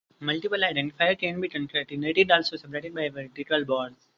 Multiple identifiers can be concatenated, also separated by vertical bars.